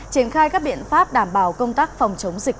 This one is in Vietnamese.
triển khai các biện pháp đảm bảo công tác phòng chống dịch